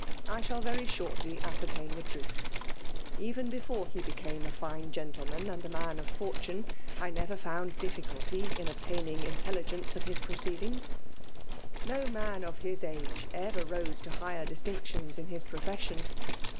I shall very shortly ascertain the truth. Even before he became a fine gentleman and a man of fortune, I never found difficulty in obtaining intelligence of his prooeedingps» No man of his age ever rose to higher dis^^ tinctions in his profession.